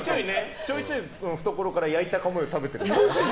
ちょいちょい懐から焼いた米食べてる。